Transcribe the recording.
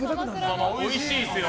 まあおいしいですよ。